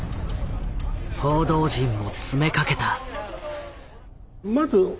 報道陣も詰めかけた。